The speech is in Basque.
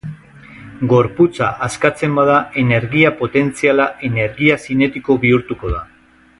Gorputza askatzen bada, energia potentziala energia zinetiko bihurtuko da.